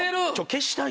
消したい？